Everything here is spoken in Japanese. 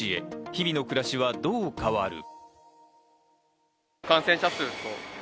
日々の暮らしはどう変わる？